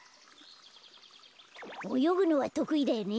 およぐのはとくいだよね？